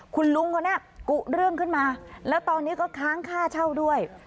คุณลุงคนนี้กุเรื่องขึ้นมาแล้วตอนนี้ก็ค้างค่าเช่าด้วย